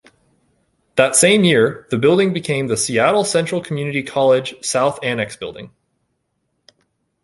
That same year, the building became the Seattle Central Community College south annex building.